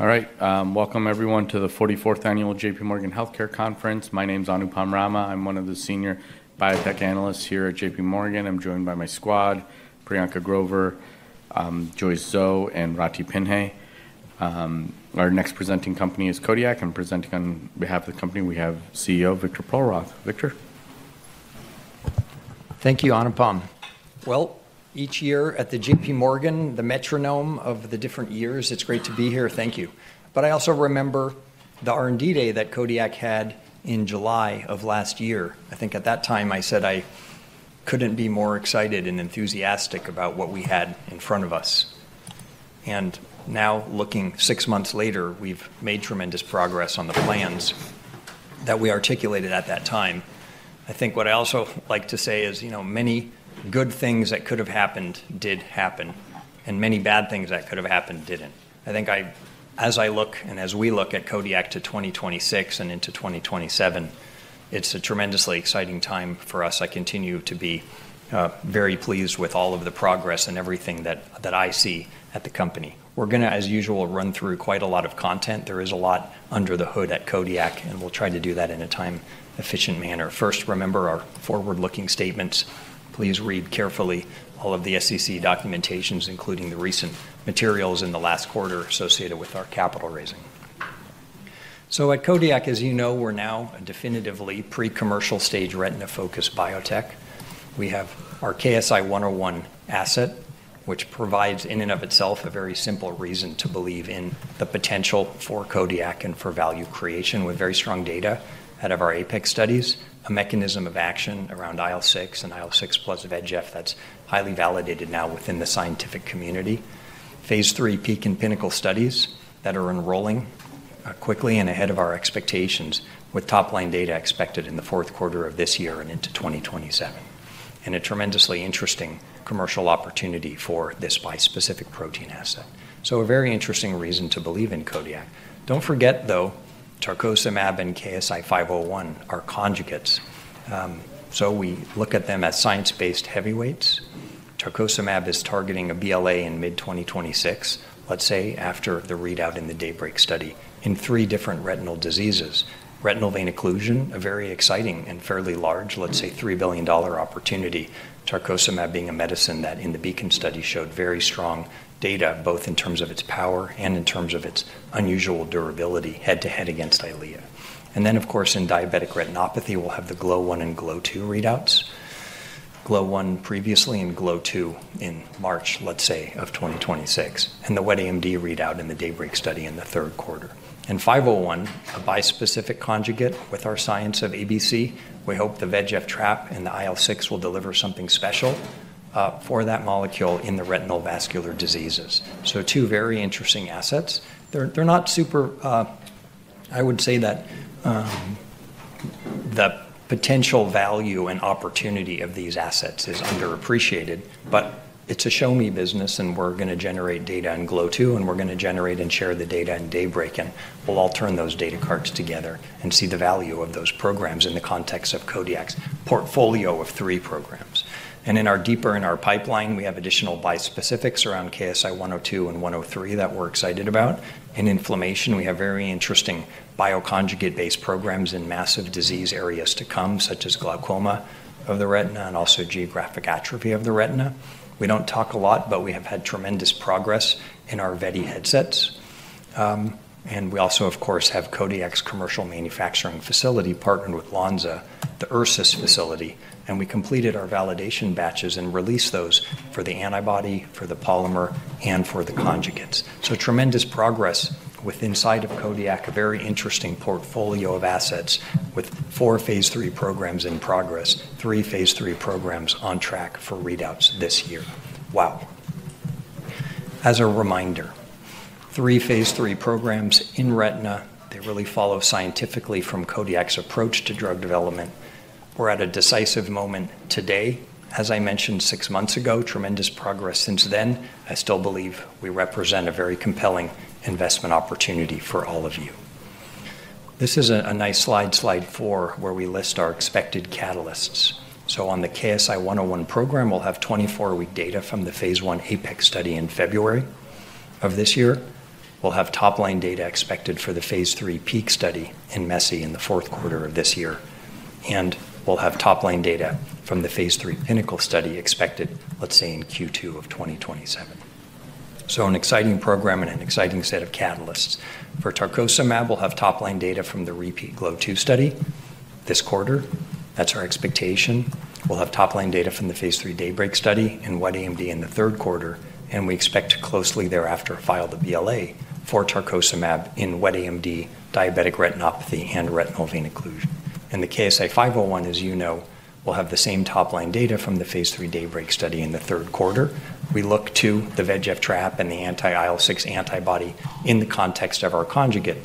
All right, welcome everyone to the 44th Annual J.P. Morgan Healthcare Conference. My name is Anupam Rama. I'm one of the Senior Biotech Analysts here at J.P. Morgan. I'm joined by my squad, Priyanka Grover, Joyce Zhou, and Ratih Pinhai. Our next presenting company is Kodiak. I'm presenting on behalf of the company. We have CEO Victor Perlroth. Victor. Thank you, Anupam. Well, each year at the J.P. Morgan, the metronome of the different years, it's great to be here. Thank you. But I also remember the R&D Day that Kodiak had in July of last year. I think at that time I said I couldn't be more excited and enthusiastic about what we had in front of us. And now, looking six months later, we've made tremendous progress on the plans that we articulated at that time. I think what I also like to say is, you know, many good things that could have happened did happen, and many bad things that could have happened didn't. I think as I look, and as we look at Kodiak to 2026 and into 2027, it's a tremendously exciting time for us. I continue to be very pleased with all of the progress and everything that I see at the company. We're going to, as usual, run through quite a lot of content. There is a lot under the hood at Kodiak, and we'll try to do that in a time-efficient manner. First, remember our forward-looking statements. Please read carefully all of the SEC documentation, including the recent materials in the last quarter associated with our capital raising. So at Kodiak, as you know, we're now a definitively pre-commercial stage retina-focused biotech. We have our KSI-101 asset, which provides in and of itself a very simple reason to believe in the potential for Kodiak and for value creation with very strong data out of our APEX studies, a mechanism of action around IL-6 and IL-6 plus VEGF that's highly validated now within the scientific community, Phase III PEAK and PINNACLE studies that are enrolling quickly and ahead of our expectations, with top-line data expected in the fourth quarter of this year and into 2027, and a tremendously interesting commercial opportunity for this bispecific protein asset. So a very interesting reason to believe in Kodiak. Don't forget, though, tarcocimab and KSI-501 are conjugates. So we look at them as science-based heavyweights. Tarcocimab is targeting a BLA in mid-2026, let's say after the readout in the DAYBREAK study in three different retinal diseases. Retinal vein occlusion, a very exciting and fairly large, let's say $3 billion opportunity, tarcocimab being a medicine that in the BEACON study showed very strong data, both in terms of its power and in terms of its unusual durability head-to-head against Eylea. And then, of course, in diabetic retinopathy, we'll have the GLOW1 and GLOW2 readouts. GLOW1 previously and GLOW2 in March, let's say, of 2026, and the wet AMD readout in the DAYBREAK study in the third quarter. And 501, a bispecific conjugate with our science of ABC. We hope the VEGF trap and the IL-6 will deliver something special for that molecule in the retinal vascular diseases. So two very interesting assets. They're not super. I would say that the potential value and opportunity of these assets is underappreciated, but it's a show-me business, and we're going to generate data in GLOW2, and we're going to generate and share the data in DAYBREAK, and we'll all turn those data charts together and see the value of those programs in the context of Kodiak's portfolio of three programs. And deeper in our pipeline, we have additional bispecifics around KSI-102 and KSI-103 that we're excited about. In inflammation, we have very interesting bioconjugate-based programs in massive disease areas to come, such as glaucoma of the retina and also geographic atrophy of the retina. We don't talk a lot, but we have had tremendous progress in our RNAi assets. And we also, of course, have Kodiak's commercial manufacturing facility partnered with Lonza, the Ursus facility. We completed our validation batches and released those for the antibody, for the polymer, and for the conjugates. Tremendous progress within Kodiak, a very interesting portfolio of assets with four Phase III programs in progress, three Phase III programs on track for readouts this year. Wow. As a reminder, three Phase III programs in retina. They really follow scientifically from Kodiak's approach to drug development. We're at a decisive moment today. As I mentioned six months ago, tremendous progress since then. I still believe we represent a very compelling investment opportunity for all of you. This is a nice slide, slide four, where we list our expected catalysts. On the KSI-101 program, we'll have 24-week data from the Phase I APIC study in February of this year. We'll have top-line data expected for the Phase III PEAK study in MESI in the fourth quarter of this year. And we'll have top-line data from the Phase III PINNACLE study expected, let's say, in Q2 of 2027. So an exciting program and an exciting set of catalysts. For tarcocimab, we'll have top-line data from the repeat GLOW2 study this quarter. That's our expectation. We'll have top-line data from the Phase III DAYBREAK study in wet AMD in the third quarter. And we expect to closely thereafter file the BLA for tarcocimab in wet AMD, diabetic retinopathy, and retinal vein occlusion. And the KSI-501, as you know, we'll have the same top-line data from the Phase III DAYBREAK study in the third quarter. We look to the VEGF trap and the anti-IL-6 antibody in the context of our conjugate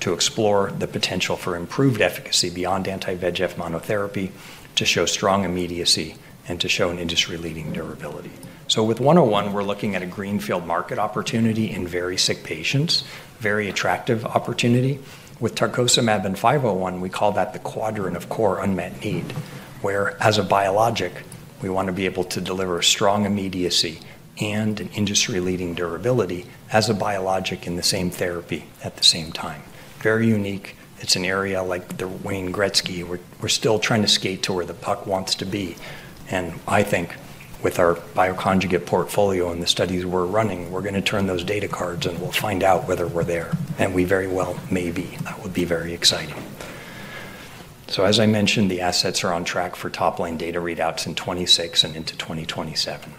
to explore the potential for improved efficacy beyond anti-VEGF monotherapy to show strong immediacy and to show an industry-leading durability. So with 101, we're looking at a greenfield market opportunity in very sick patients, very attractive opportunity. With tarcocimab and 501, we call that the quadrant of core unmet need, where as a biologic, we want to be able to deliver strong immediacy and an industry-leading durability as a biologic in the same therapy at the same time. Very unique. It's an area like the Wayne Gretzky. We're still trying to skate to where the puck wants to be. And I think with our bioconjugate portfolio and the studies we're running, we're going to turn those data cards and we'll find out whether we're there. And we very well may be. That would be very exciting. So as I mentioned, the assets are on track for top-line data readouts in 2026 and into 2027.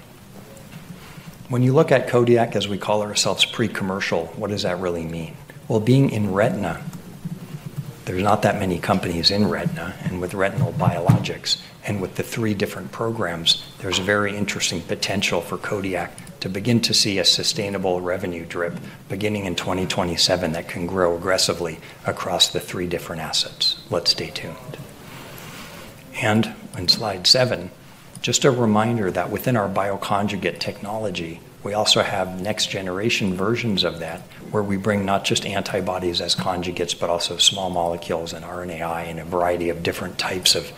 When you look at Kodiak, as we call ourselves, pre-commercial, what does that really mean? Well, being in retina, there's not that many companies in retina. And with retinal biologics and with the three different programs, there's a very interesting potential for Kodiak to begin to see a sustainable revenue drip beginning in 2027 that can grow aggressively across the three different assets. Let's stay tuned. And on slide seven, just a reminder that within our bioconjugate technology, we also have next-generation versions of that where we bring not just antibodies as conjugates, but also small molecules and RNAi and a variety of different types of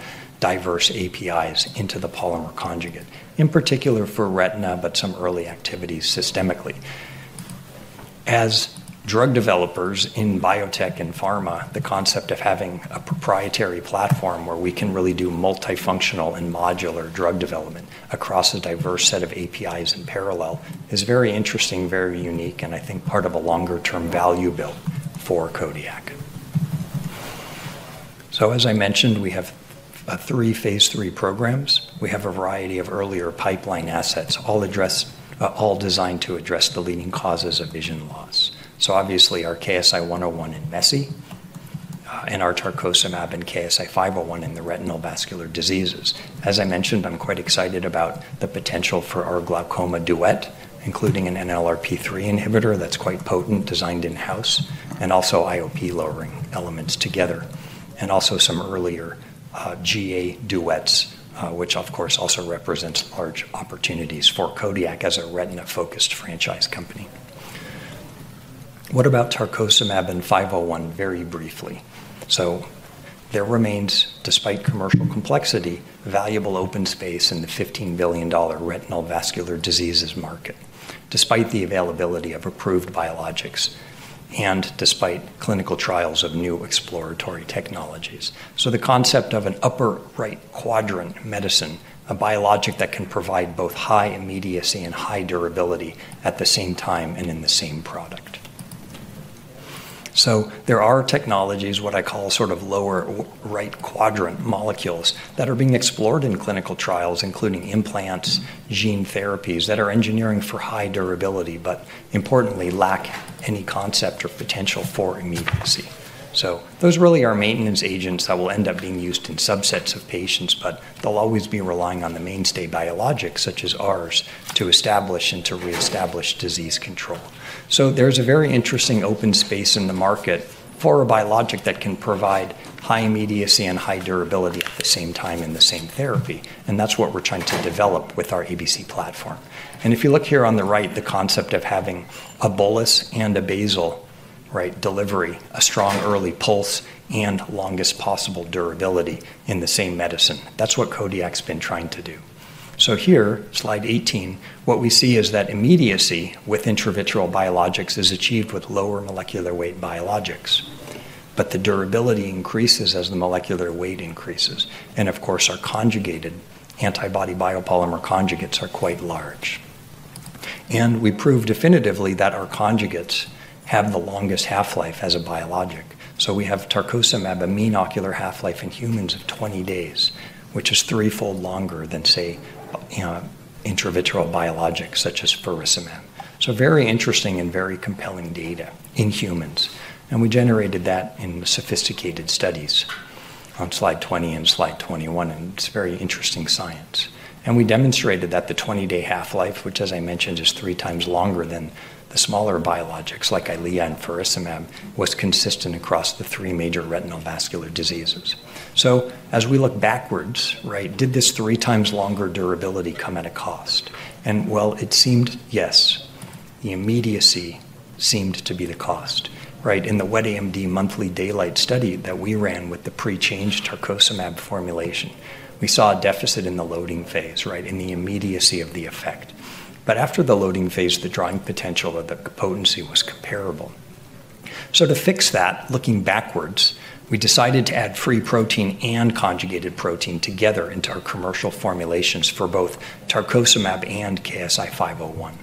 diverse APIs into the polymer conjugate, in particular for retina, but some early activities systemically. As drug developers in biotech and pharma, the concept of having a proprietary platform where we can really do multifunctional and modular drug development across a diverse set of APIs in parallel is very interesting, very unique, and I think part of a longer-term value build for Kodiak. So as I mentioned, we have three Phase III programs. We have a variety of earlier pipeline assets, all designed to address the leading causes of vision loss. So obviously, our KSI-101 in MESI and our tarcocimab and KSI-501 in the retinal vascular diseases. As I mentioned, I'm quite excited about the potential for our glaucoma duet, including an NLRP3 inhibitor that's quite potent, designed in-house, and also IOP lowering elements together, and also some earlier GA duets, which of course also represents large opportunities for Kodiak as a retina-focused franchise company. What about tarcocimab and 501, very briefly? There remains, despite commercial complexity, valuable open space in the $15 billion retinal vascular diseases market, despite the availability of approved biologics and despite clinical trials of new exploratory technologies. The concept of an upper right quadrant medicine, a biologic that can provide both high immediacy and high durability at the same time and in the same product. There are technologies, what I call sort of lower right quadrant molecules that are being explored in clinical trials, including implants, gene therapies that are engineering for high durability, but importantly, lack any concept or potential for immediacy. Those really are maintenance agents that will end up being used in subsets of patients, but they'll always be relying on the mainstay biologics such as ours to establish and to reestablish disease control. There's a very interesting open space in the market for a biologic that can provide high immediacy and high durability at the same time in the same therapy. That's what we're trying to develop with our ABC platform. If you look here on the right, the concept of having a bolus and a basal delivery, a strong early pulse and longest possible durability in the same medicine. That's what Kodiak's been trying to do. Here, slide 18, what we see is that immediacy with intravitreal biologics is achieved with lower molecular weight biologics, but the durability increases as the molecular weight increases. Of course, our conjugated antibody biopolymer conjugates are quite large. We prove definitively that our conjugates have the longest half-life as a biologic. We have tarcocimab, a mean ocular half-life in humans of 20 days, which is threefold longer than, say, intravitreal biologics such as faricimab. Very interesting and very compelling data in humans. We generated that in sophisticated studies on slide 20 and slide 21, and it's very interesting science. We demonstrated that the 20-day half-life, which, as I mentioned, is three times longer than the smaller biologics like Eylea and faricimab, was consistent across the three major retinal vascular diseases. As we look backwards, right, did this three times longer durability come at a cost? It seemed, yes. The immediacy seemed to be the cost. In the wet AMD monthly DAYLIGHT study that we ran with the pre-changed tarcocimab formulation, we saw a deficit in the loading phase, right, in the immediacy of the effect. After the loading phase, the drawing potential of the potency was comparable. To fix that, looking backwards, we decided to add free protein and conjugated protein together into our commercial formulations for both tarcocimab and KSI-501.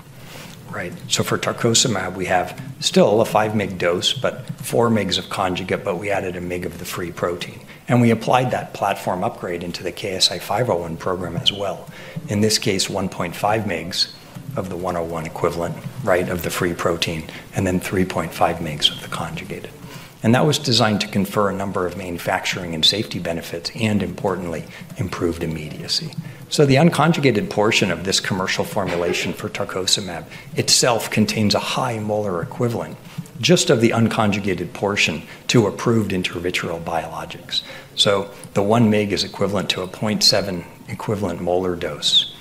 For tarcocimab, we have still a 5-mg dose, but 4 mg of conjugate, but we added 1 mg of the free protein. We applied that platform upgrade into the KSI-501 program as well. In this case, 1.5 mg of the KSI-101 equivalent, right, of the free protein, and then 3.5 mg of the conjugated. That was designed to confer a number of manufacturing and safety benefits and, importantly, improved immediacy. The unconjugated portion of this commercial formulation for tarcocimab itself contains a high molar equivalent just of the unconjugated portion to approved intravitreal biologics. So the 1-mg is equivalent to a 0.7 equivalent molar dose,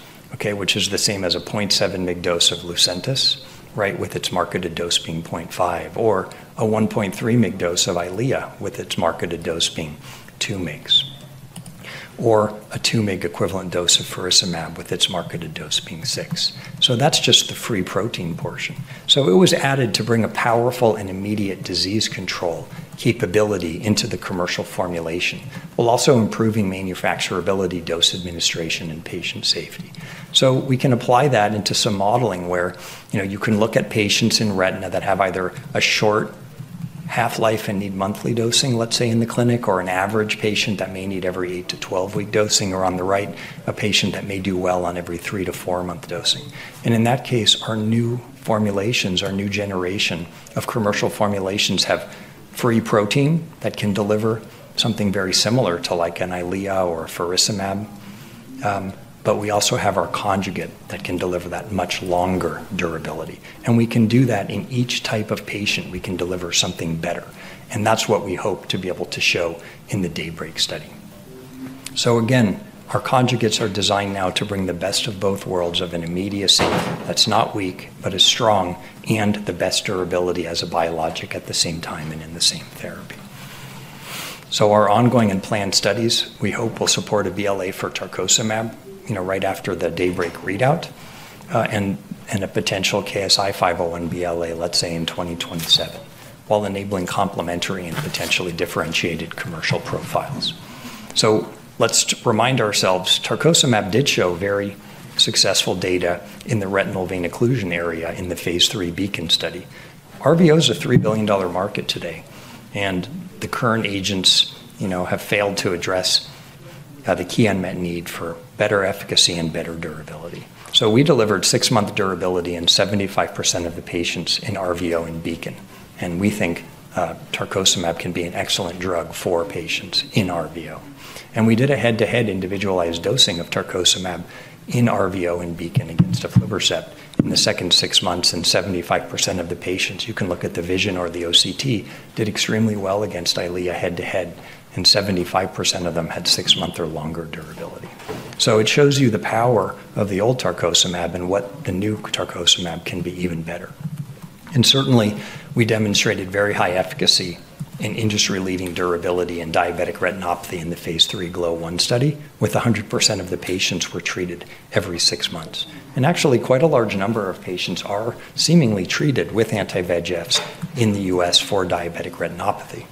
which is the same as a 0.7-mg dose of Lucentis, with its marketed dose being 0.5, or a 1.3-mg dose of Eylea with its marketed dose being 2 mg, or a 2-mg equivalent dose of faricimab with its marketed dose being 6. So that's just the free protein portion. So it was added to bring a powerful and immediate disease control capability into the commercial formulation, while also improving manufacturability, dose administration, and patient safety. So we can apply that into some modeling where you can look at patients in retina that have either a short half-life and need monthly dosing, let's say, in the clinic, or an average patient that may need every 8 to 12-week dosing, or on the right, a patient that may do well on every 3 to 4-month dosing. And in that case, our new formulations, our new generation of commercial formulations have free protein that can deliver something very similar to like an Eylea or faricimab. But we also have our conjugate that can deliver that much longer durability. And we can do that in each type of patient. We can deliver something better. And that's what we hope to be able to show in the DAYBREAK study. So again, our conjugates are designed now to bring the best of both worlds of an immediacy that's not weak, but is strong, and the best durability as a biologic at the same time and in the same therapy. So our ongoing and planned studies, we hope, will support a BLA for tarcocimab right after the DAYBREAK readout and a potential KSI-501 BLA, let's say, in 2027, while enabling complementary and potentially differentiated commercial profiles. So let's remind ourselves, tarcocimab did show very successful data in the retinal vein occlusion area in the Phase III BEACON study. RVO is a $3 billion market today. And the current agents have failed to address the key unmet need for better efficacy and better durability. So we delivered six-month durability in 75% of the patients in RVO and BEACON. And we think tarcocimab can be an excellent drug for patients in RVO. And we did a head-to-head individualized dosing of tarcocimab in RVO and BEACON against aflibercept in the second six months in 75% of the patients. You can look at the vision or the OCT, did extremely well against Eylea head-to-head, and 75% of them had six-month or longer durability. So it shows you the power of the old tarcocimab and what the new tarcocimab can be even better. Certainly, we demonstrated very high efficacy in industry-leading durability in diabetic retinopathy in the Phase III GLOW1 study, with 100% of the patients treated every six months. Actually, quite a large number of patients are seemingly treated with anti-VEGFs in the U.S. for diabetic retinopathy.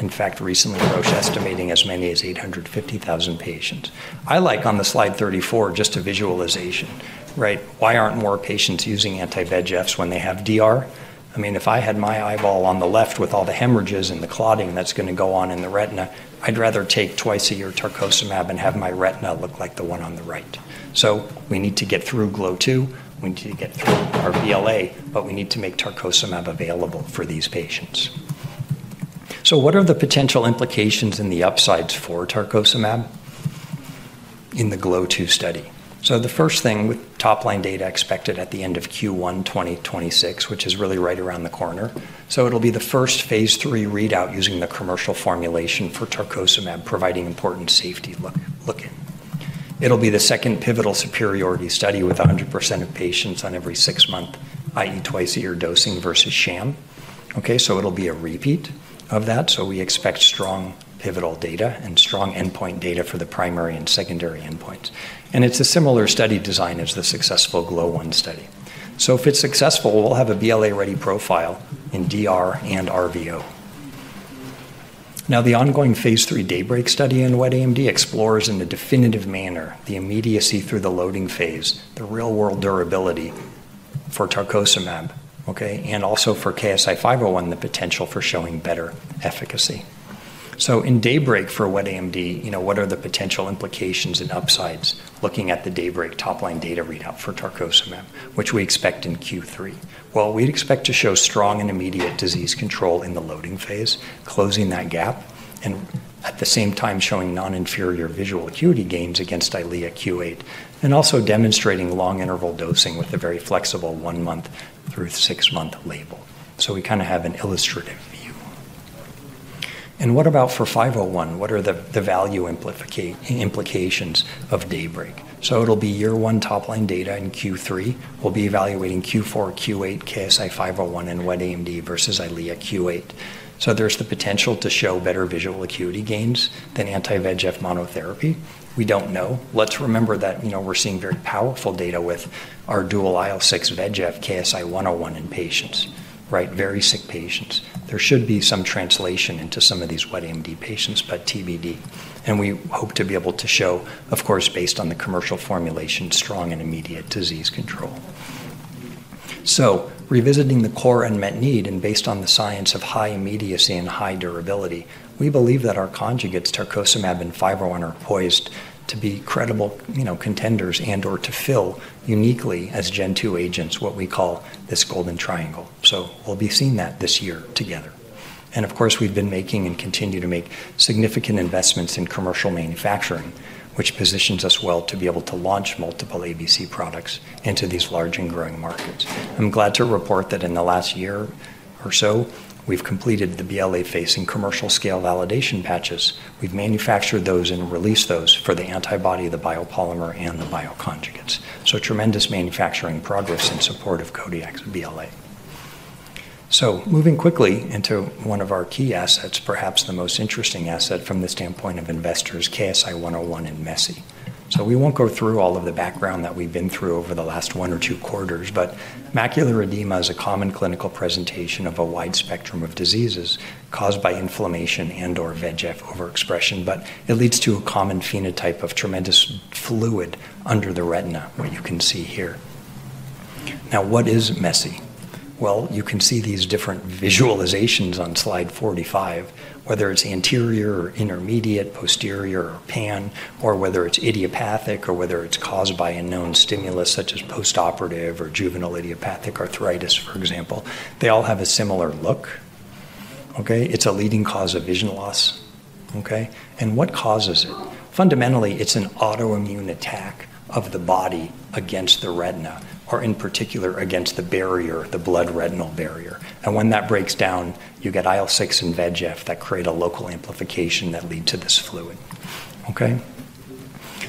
In fact, recently, Roche is estimating as many as 850,000 patients. I like, on the slide 34, just a visualization. Why aren't more patients using anti-VEGFs when they have DR? I mean, if I had my eyeball on the left with all the hemorrhages and the clotting that's going to go on in the retina, I'd rather take twice-a-year tarcocimab and have my retina look like the one on the right. So we need to get through GLOW2. We need to get through our BLA, but we need to make tarcocimab available for these patients. What are the potential implications and the upsides for tarcocimab in the GLOW2 study? The first thing, with top-line data expected at the end of Q1 2026, which is really right around the corner, it'll be the first Phase III readout using the commercial formulation for tarcocimab, providing important safety looking. It'll be the second pivotal superiority study with 100% of patients on every six-month, i.e., twice-a-year dosing versus sham. It'll be a repeat of that. We expect strong pivotal data and strong endpoint data for the primary and secondary endpoints, and it's a similar study design as the successful GLOW1 study, so if it's successful, we'll have a BLA-ready profile in DR and RVO. Now, the ongoing Phase III DAYBREAK study in wet AMD explores in a definitive manner the immediacy through the loading phase, the real-world durability for tarcocimab, and also for KSI-501, the potential for showing better efficacy. So in DAYBREAK for wet AMD, what are the potential implications and upsides looking at the DAYBREAK top-line data readout for tarcocimab, which we expect in Q3? Well, we expect to show strong and immediate disease control in the loading phase, closing that gap, and at the same time, showing non-inferior visual acuity gains against Eylea q8, and also demonstrating long-interval dosing with a very flexible one-month through six-month label. So we kind of have an illustrative view. And what about for 501? What are the value implications of DAYBREAK? So it'll be year one top-line data in Q3. We'll be evaluating Q4, Q8, KSI-501, and wet AMD versus Eylea Q8. There's the potential to show better visual acuity gains than anti-VEGF monotherapy. We don't know. Let's remember that we're seeing very powerful data with our dual IL-6 VEGF, KSI-101 in patients, very sick patients. There should be some translation into some of these wet AMD patients, but TBD. We hope to be able to show, of course, based on the commercial formulation, strong and immediate disease control. Revisiting the core unmet need and based on the science of high immediacy and high durability, we believe that our conjugates, tarcocimab and KSI-501, are poised to be credible contenders and/or to fill uniquely as Gen 2 agents, what we call this golden triangle. We'll be seeing that this year together. Of course, we've been making and continue to make significant investments in commercial manufacturing, which positions us well to be able to launch multiple ABC products into these large and growing markets. I'm glad to report that in the last year or so, we've completed the BLA-facing commercial scale validation batches. We've manufactured those and released those for the antibody, the biopolymer, and the bioconjugates. Tremendous manufacturing progress in support of Kodiak's BLA. Moving quickly into one of our key assets, perhaps the most interesting asset from the standpoint of investors, KSI-101 and MESI. We won't go through all of the background that we've been through over the last one or two quarters, but macular edema is a common clinical presentation of a wide spectrum of diseases caused by inflammation and/or VEGF overexpression, but it leads to a common phenotype of tremendous fluid under the retina, what you can see here. Now, what is MESI? Well, you can see these different visualizations on slide 45, whether it's anterior or intermediate, posterior or pan, or whether it's idiopathic or whether it's caused by unknown stimulus such as postoperative or juvenile idiopathic arthritis, for example. They all have a similar look. It's a leading cause of vision loss. And what causes it? Fundamentally, it's an autoimmune attack of the body against the retina, or in particular, against the barrier, the blood-retinal barrier. And when that breaks down, you get IL-6 and VEGF that create a local amplification that leads to this fluid.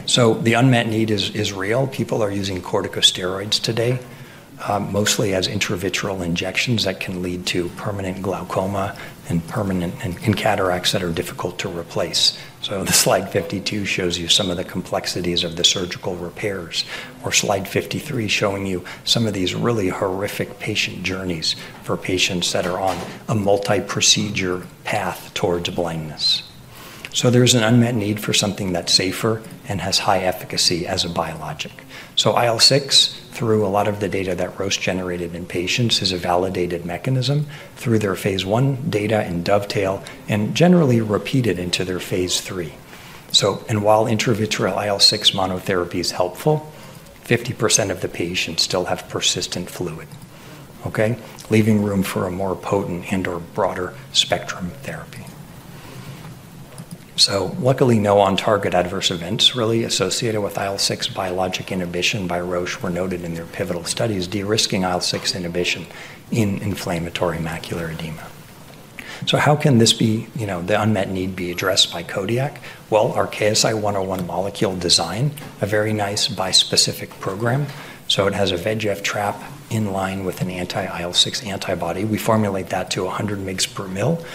So the unmet need is real. People are using corticosteroids today, mostly as intravitreal injections that can lead to permanent glaucoma and cataracts that are difficult to replace. So the slide 52 shows you some of the complexities of the surgical repairs, or slide 53 showing you some of these really horrific patient journeys for patients that are on a multi-procedure path towards blindness. So there is an unmet need for something that's safer and has high efficacy as a biologic. So IL-6, through a lot of the data that Roche generated in patients, is a validated mechanism through their Phase I data in DOVETAIL and generally repeated into their Phase III. While intravitreal IL-6 monotherapy is helpful, 50% of the patients still have persistent fluid, leaving room for a more potent and/or broader spectrum therapy. So luckily, no on-target adverse events really associated with IL-6 biologic inhibition by Roche were noted in their pivotal studies, de-risking IL-6 inhibition in inflammatory macular edema. So how can the unmet need be addressed by Kodiak? Well, our KSI-101 molecule design, a very nice bispecific program. So it has a VEGF trap in line with an anti-IL-6 antibody. We formulate that to 100 mg per mL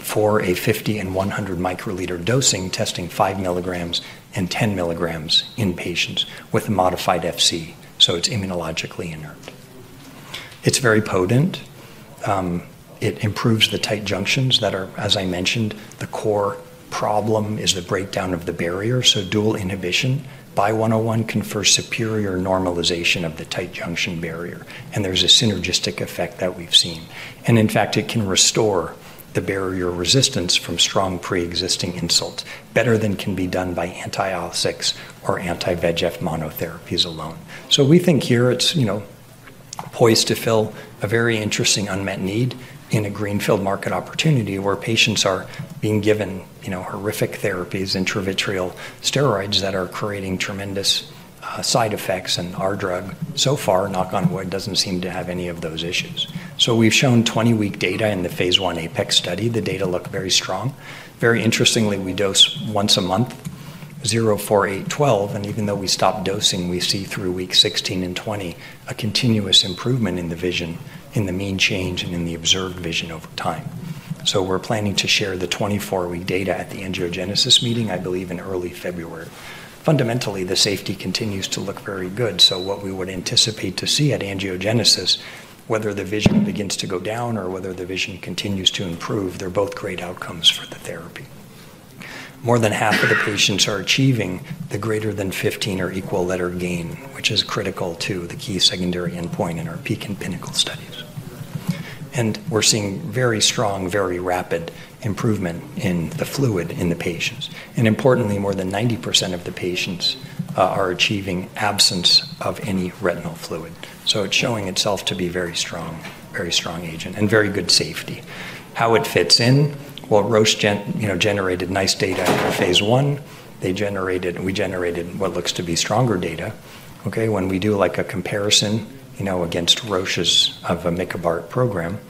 for a 50 and 100 microliters dosing, testing five milligrams and 10 milligrams in patients with modified Fc. So it's immunologically inert. It's very potent. It improves the tight junctions that are, as I mentioned, the core problem is the breakdown of the barrier. So dual inhibition by 101 confers superior normalization of the tight junction barrier. There's a synergistic effect that we've seen. In fact, it can restore the barrier resistance from strong pre-existing insult, better than can be done by anti-IL-6 or anti-VEGF monotherapies alone. We think here it's poised to fill a very interesting unmet need in a greenfield market opportunity where patients are being given horrific therapies, intravitreal steroids that are creating tremendous side effects. Our drug, so far, knock on wood, doesn't seem to have any of those issues. We've shown 20-week data in the Phase I APIC study. The data look very strong. Very interestingly, we dose once a month, 0.4, 0.8, 1.2. Even though we stopped dosing, we see through weeks 16 and 20 a continuous improvement in the vision, in the mean change, and in the observed vision over time. So we're planning to share the 24-week data at the Angiogenesis meeting, I believe, in early February. Fundamentally, the safety continues to look very good. So what we would anticipate to see at angiogenesis, whether the vision begins to go down or whether the vision continues to improve, they're both great outcomes for the therapy. More than half of the patients are achieving the greater than 15 or equal letter gain, which is critical to the key secondary endpoint in our PEAK and PINNACLE studies. And we're seeing very strong, very rapid improvement in the fluid in the patients. And importantly, more than 90% of the patients are achieving absence of any retinal fluid. So it's showing itself to be a very strong agent and very good safety. How it fits in? Well, Roche generated nice data in Phase I. We generated what looks to be stronger data. When we do a comparison against Roche's DOVETAIL program,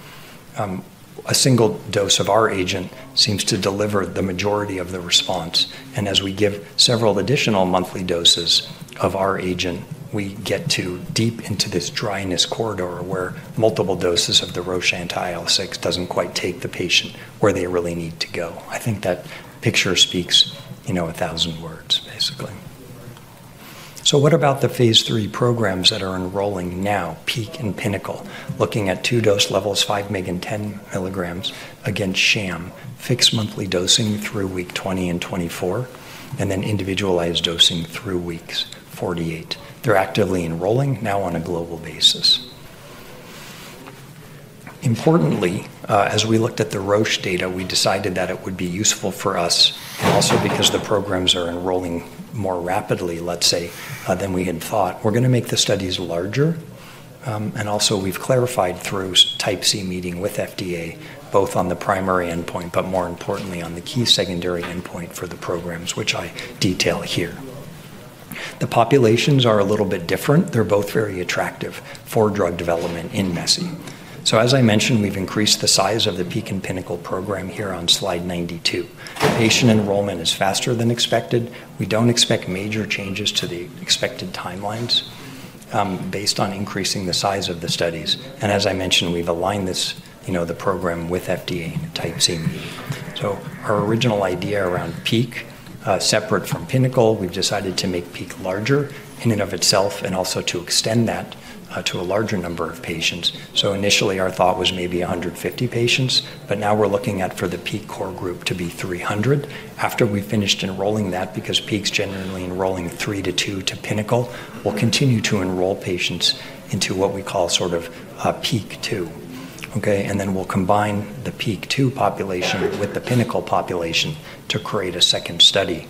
a single dose of our agent seems to deliver the majority of the response. And as we give several additional monthly doses of our agent, we get deep into this dryness corridor where multiple doses of the Roche anti-IL-6 doesn't quite take the patient where they really need to go. I think that picture speaks a thousand words, basically. So what about the Phase III programs that are enrolling now, PEAK and PINNACLE, looking at two dose levels, 5 mg and 10 milligrams against sham, fixed monthly dosing through week 20 and 24, and then individualized dosing through weeks 48? They're actively enrolling now on a global basis. Importantly, as we looked at the Roche data, we decided that it would be useful for us, also because the programs are enrolling more rapidly, let's say, than we had thought. We're going to make the studies larger. Also, we've clarified through Type C meeting with FDA, both on the primary endpoint, but more importantly, on the key secondary endpoint for the programs, which I detail here. The populations are a little bit different. They're both very attractive for drug development in MESI. As I mentioned, we've increased the size of the PEAK and PINNACLE program here on slide 92. Patient enrollment is faster than expected. We don't expect major changes to the expected timelines based on increasing the size of the studies. As I mentioned, we've aligned the program with FDA and Type C meeting. Our original idea around PEAK, separate from PINNACLE, we've decided to make PEAK larger in and of itself and also to extend that to a larger number of patients. Initially, our thought was maybe 150 patients, but now we're looking at for the PEAK core group to be 300 after we've finished enrolling that because PEAK's generally enrolling three to two to PINNACLE. We'll continue to enroll patients into what we call sort of PEAK two. Then we'll combine the PEAK two population with the PINNACLE population to create a second study,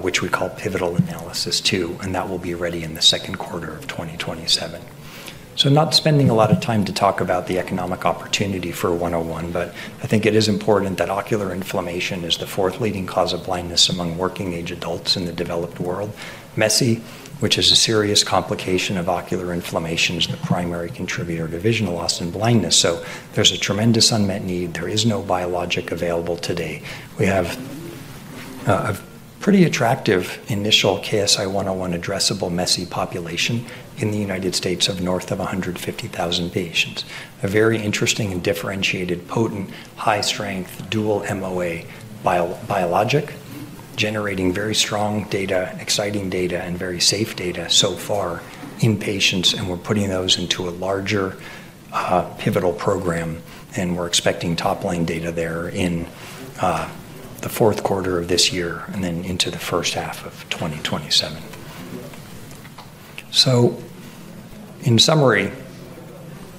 which we call pivotal analysis two, and that will be ready in the second quarter of 2027. Not spending a lot of time to talk about the economic opportunity for 101, but I think it is important that ocular inflammation is the fourth leading cause of blindness among working-age adults in the developed world. MESI, which is a serious complication of ocular inflammation, is the primary contributor to vision loss and blindness, so there's a tremendous unmet need. There is no biologic available today. We have a pretty attractive initial KSI-101 addressable MESI population in the United States, of north of 150,000 patients, a very interesting and differentiated, potent, high-strength dual MOA biologic generating very strong data, exciting data, and very safe data so far in patients, and we're putting those into a larger pivotal program, and we're expecting top-line data there in the fourth quarter of this year and then into the first half of 2027. So in summary,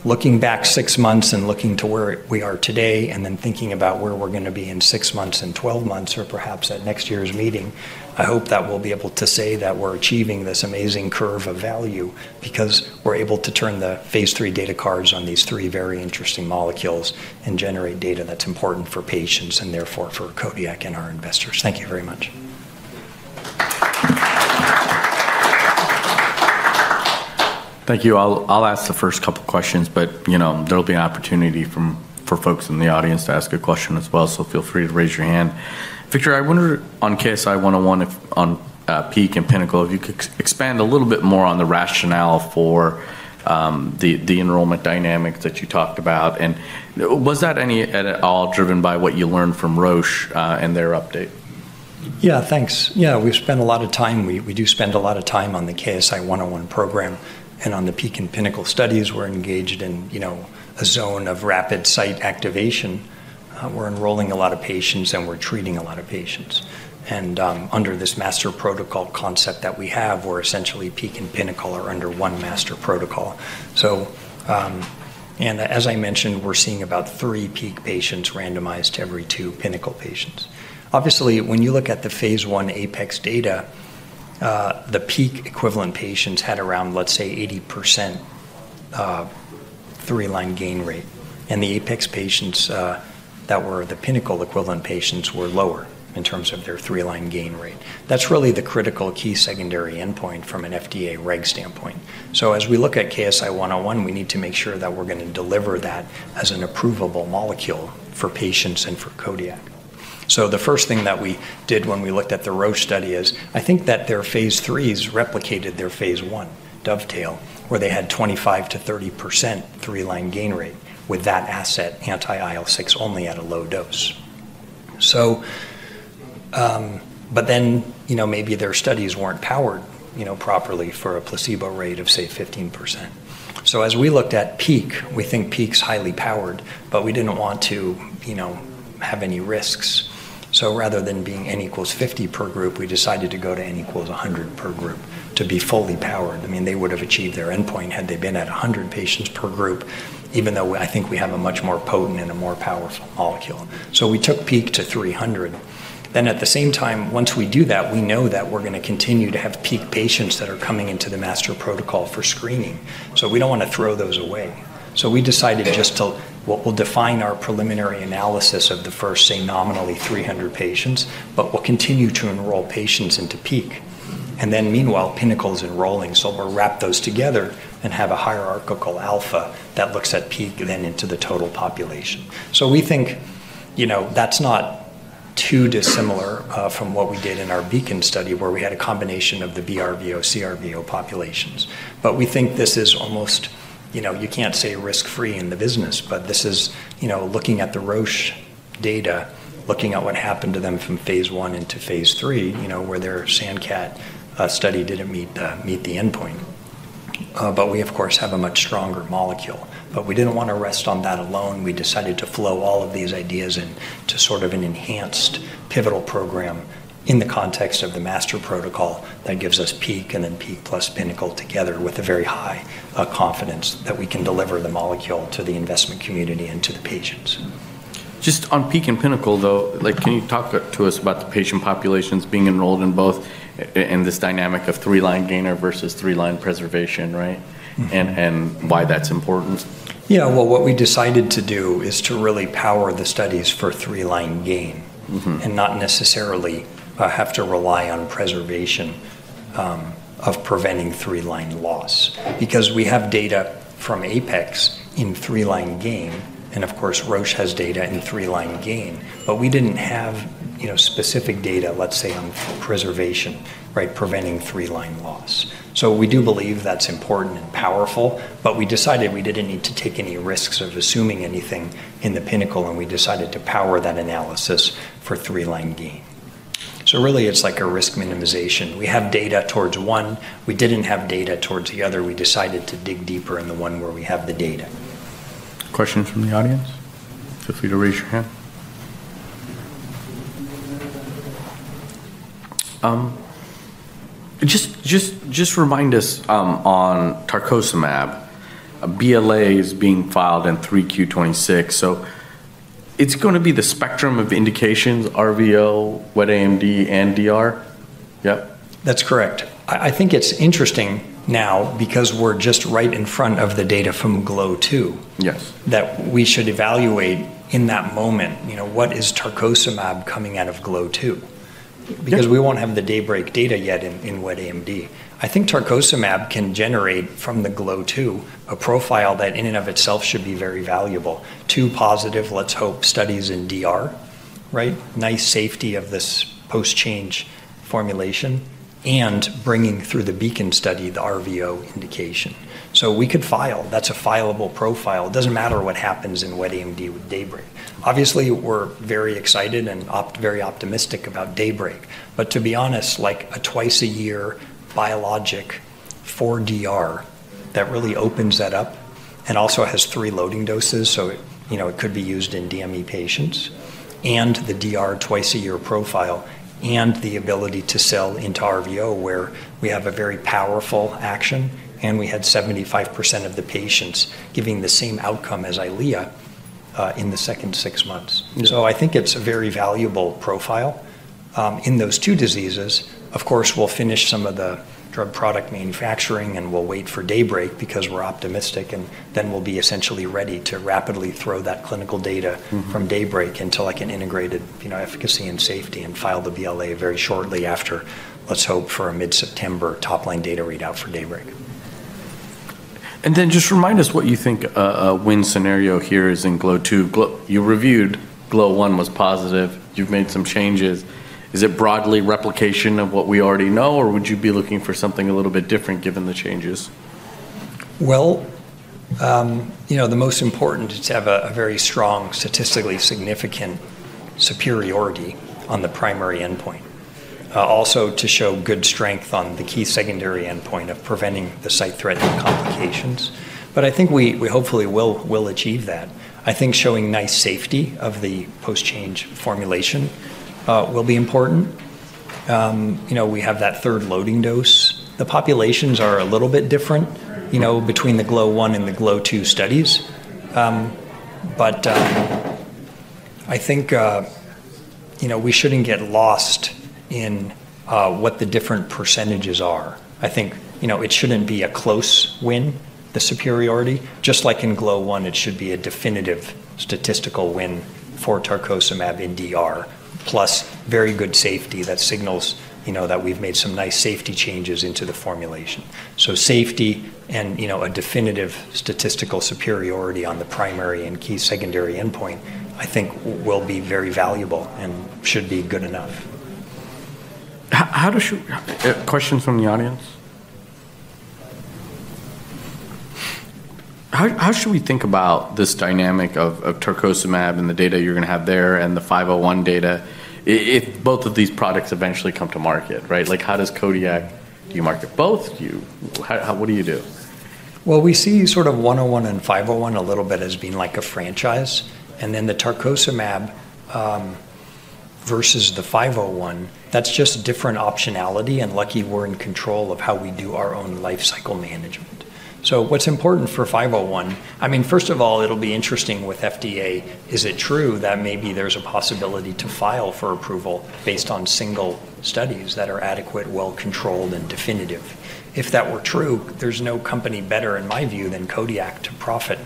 looking back six months and looking to where we are today and then thinking about where we're going to be in six months and 12 months or perhaps at next year's meeting, I hope that we'll be able to say that we're achieving this amazing curve of value because we're able to turn the Phase III data cards on these three very interesting molecules and generate data that's important for patients and therefore for Kodiak and our investors. Thank you very much. Thank you. I'll ask the first couple of questions, but there'll be an opportunity for folks in the audience to ask a question as well. So feel free to raise your hand. Victor, I wondered on KSI-101, on PEAK and PINNACLE, if you could expand a little bit more on the rationale for the enrollment dynamic that you talked about. And was that any at all driven by what you learned from Roche and their update? Yeah, thanks. Yeah, we spend a lot of time. We do spend a lot of time on the KSI-101 program and on the PEAK and PINNACLE studies. We're engaged in a zone of rapid site activation. We're enrolling a lot of patients, and we're treating a lot of patients. And under this master protocol concept that we have, we're essentially PEAK and PINNACLE are under one master protocol. And as I mentioned, we're seeing about three PEAK patients randomized to every two PINNACLE patients. Obviously, when you look at the Phase I APIC data, the PEAK equivalent patients had around, let's say, 80% three-line gain rate. And the APIC patients that were the PINNACLE equivalent patients were lower in terms of their three-line gain rate. That's really the critical key secondary endpoint from an FDA reg standpoint. As we look at KSI-101, we need to make sure that we're going to deliver that as an approvable molecule for patients and for Kodiak. The first thing that we did when we looked at the Roche study is I think that their Phase IIIs replicated their Phase I DOVETAIL where they had 25%-30% three-line gain rate with that asset, anti-IL-6 only at a low dose. But then maybe their studies weren't powered properly for a placebo rate of, say, 15%. As we looked at PEAK, we think PEAK's highly powered, but we didn't want to have any risks. Rather than being N equals 50 per group, we decided to go to N equals 100 per group to be fully powered. I mean, they would have achieved their endpoint had they been at 100 patients per group, even though I think we have a much more potent and a more powerful molecule. So we took PEAK to 300. Then at the same time, once we do that, we know that we're going to continue to have PEAK patients that are coming into the master protocol for screening. So we don't want to throw those away. So we decided just to what we'll define our preliminary analysis of the first, say, nominally 300 patients, but we'll continue to enroll patients into PEAK. And then meanwhile, PINNACLE is enrolling. So we'll wrap those together and have a hierarchical alpha that looks at PEAK then into the total population. So we think that's not too dissimilar from what we did in our BEACON study where we had a combination of the BRVO, CRVO populations. But we think this is almost you can't say risk-free in the business, but this is looking at the Roche data, looking at what happened to them from Phase I into Phase III, where their SANDCAT study didn't meet the endpoint. But we, of course, have a much stronger molecule. But we didn't want to rest on that alone. We decided to flow all of these ideas into sort of an enhanced pivotal program in the context of the master protocol that gives us PEAK and then PEAK plus PINNACLE together with a very high confidence that we can deliver the molecule to the investment community and to the patients. Just on PEAK and PINNACLE, though, can you talk to us about the patient populations being enrolled in both in this dynamic of three-line gainer versus three-line preservation, right? And why that's important? Yeah, well, what we decided to do is to really power the studies for three-line gain and not necessarily have to rely on preservation of preventing three-line loss because we have data from APEX in three-line gain, and of course, Roche has data in three-line gain, but we didn't have specific data, let's say, on preservation, preventing three-line loss, so we do believe that's important and powerful, but we decided we didn't need to take any risks of assuming anything in the PINNACLE, and we decided to power that analysis for three-line gain, so really, it's like a risk minimization. We have data towards one. We didn't have data towards the other. We decided to dig deeper in the one where we have the data. Question from the audience? Feel free to raise your hand. Just remind us on tarcocimab, BLA is being filed in 3Q26. So it's going to be the spectrum of indications, RVO, wet AMD, and DR? Yep? That's correct. I think it's interesting now because we're just right in front of the data from GLOW2 that we should evaluate in that moment, what is tarcocimab coming out of GLOW2? Because we won't have the DAYBREAK data yet in wet AMD. I think tarcocimab can generate from the GLOW2 a profile that in and of itself should be very valuable. Two positive, let's hope, studies in DR, right? Nice safety of this post-change formulation and bringing through the BEACON study, the RVO indication. So we could file. That's a filable profile. It doesn't matter what happens in wet AMD with DAYBREAK. Obviously, we're very excited and very optimistic about DAYBREAK. But to be honest, like a twice-a-year biologic for DR that really opens that up and also has three loading doses, so it could be used in DME patients and the DR twice-a-year profile and the ability to sell into RVO where we have a very powerful action, and we had 75% of the patients giving the same outcome as Eylea in the second six months. So I think it's a very valuable profile. In those two diseases, of course, we'll finish some of the drug product manufacturing, and we'll wait for DAYBREAK because we're optimistic, and then we'll be essentially ready to rapidly throw that clinical data from DAYBREAK into an integrated efficacy and safety and file the BLA very shortly after, let's hope, for a mid-September top-line data readout for DAYBREAK. And then just remind us what you think a win scenario here is in GLOW2? You reviewed GLOW1 was positive. You've made some changes. Is it broadly replication of what we already know, or would you be looking for something a little bit different given the changes? The most important is to have a very strong, statistically significant superiority on the primary endpoint. Also to show good strength on the key secondary endpoint of preventing the sight-threatening complications. But I think we hopefully will achieve that. I think showing nice safety of the post-change formulation will be important. We have that third loading dose. The populations are a little bit different between the GLOW1 and the GLOW2 studies. But I think we shouldn't get lost in what the different percentages are. I think it shouldn't be a close win, the superiority. Just like in GLOW1, it should be a definitive statistical win for tarcocimab in DR plus very good safety that signals that we've made some nice safety changes into the formulation. Safety and a definitive statistical superiority on the primary and key secondary endpoint, I think, will be very valuable and should be good enough. Questions from the audience? How should we think about this dynamic of tarcocimab and the data you're going to have there and the 501 data? Both of these products eventually come to market, right? How does Kodiak do you market both? What do you do? We see sort of KSI-101 and KSI-501 a little bit as being like a franchise, and then the tarcocimab versus the KSI-501, that's just different optionality, and lucky we're in control of how we do our own lifecycle management, so what's important for KSI-501? I mean, first of all, it'll be interesting with FDA. Is it true that maybe there's a possibility to file for approval based on single studies that are adequate, well-controlled, and definitive? If that were true, there's no company better, in my view, than Kodiak to profit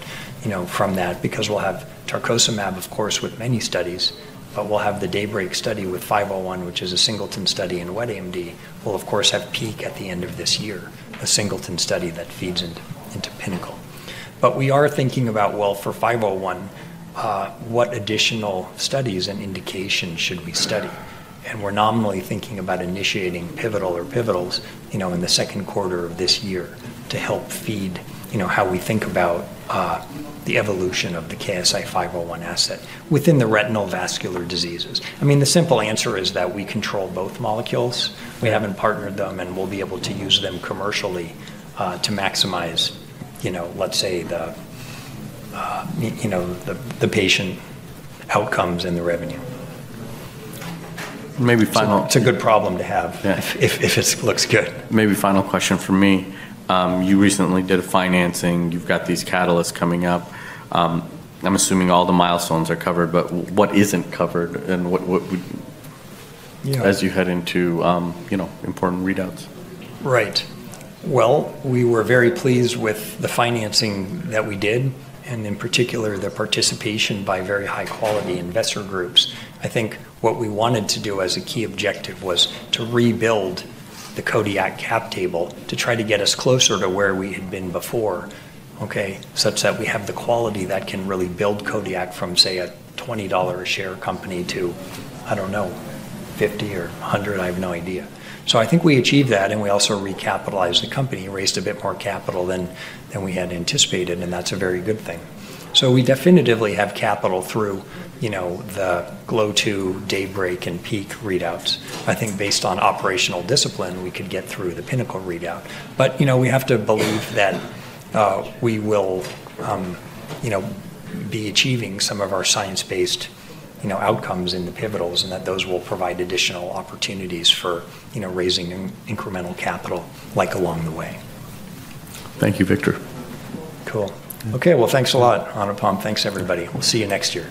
from that because we'll have tarcocimab, of course, with many studies, but we'll have the DAYBREAK study with KSI-501, which is a singleton study in wet AMD. We'll, of course, have PEAK at the end of this year, a singleton study that feeds into PINNACLE. We are thinking about, well, for KSI-501, what additional studies and indications should we study? We're nominally thinking about initiating pivotal or pivotals in the second quarter of this year to help feed how we think about the evolution of the KSI-501 asset within the retinal vascular diseases. I mean, the simple answer is that we control both molecules. We haven't partnered them, and we'll be able to use them commercially to maximize, let's say, the patient outcomes and the revenue. Maybe final. It's a good problem to have if it looks good. Maybe final question for me. You recently did financing. You've got these catalysts coming up. I'm assuming all the milestones are covered, but what isn't covered and as you head into important readouts? Right. Well, we were very pleased with the financing that we did, and in particular, the participation by very high-quality investor groups. I think what we wanted to do as a key objective was to rebuild the Kodiak cap table to try to get us closer to where we had been before, okay, such that we have the quality that can really build Kodiak from, say, a $20-a-share company to, I don't know, $50 or $100. I have no idea. So I think we achieved that, and we also recapitalized the company, raised a bit more capital than we had anticipated, and that's a very good thing. So we definitively have capital through the GLOW2, DAYBREAK, and PEAK readouts. I think based on operational discipline, we could get through the PINNACLE readout. But we have to believe that we will be achieving some of our science-based outcomes in the pivotals and that those will provide additional opportunities for raising incremental capital along the way. Thank you, Victor. Cool. Okay. Well, thanks a lot, Anupam. Thanks, everybody. We'll see you next year.